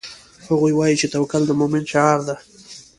هغوی وایي چې توکل د مومن شعار ده